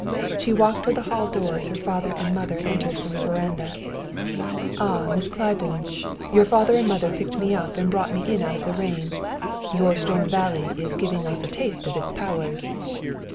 She walked toward the hall door as her father and mother entered from the veranda. "Ah, Miss Claiborne! Your father and mother picked me up and brought me in out of the rain. Your Storm Valley is giving us a taste of its powers."